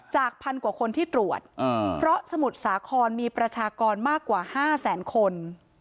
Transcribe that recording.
พันกว่าคนที่ตรวจเพราะสมุทรสาครมีประชากรมากกว่า๕แสนคน